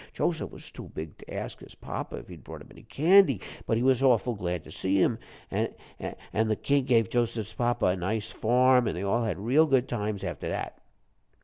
Joseph was too big to ask his papa if he'd brought him any candy, but he was awful glad to see him. An' the king gave Joseph's papa a nice farm, an' they all had real good times after that."